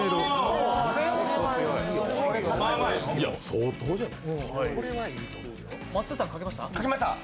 相当じゃない？